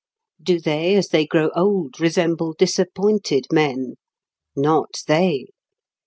Do they, as they grow old, resemble disappointed men? Not they.